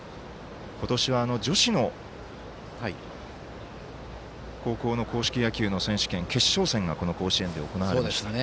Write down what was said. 今年は女子の高校の硬式野球の決勝戦がこの甲子園で行われました。